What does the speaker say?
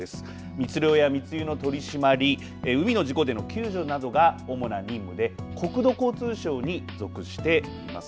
密漁や密輸の取締り海の事故での救助などが主な任務で国土交通省に属しています。